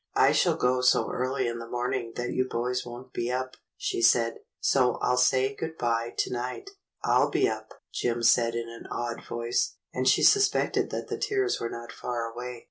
"I shall go so early in the morning that you boys won't be up," she said. "So I'll say good bye to night." "I'll be up," Jim said in an odd voice, and she sus pected that the tears were not far away.